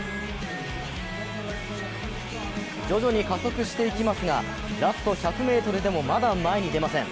徐々に加速して行きますがラスト１００ｍでもまだ前に出ません。